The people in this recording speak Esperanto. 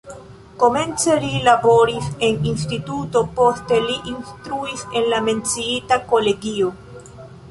Komence li laboris en instituto, poste li instruis en la menciita kolegio.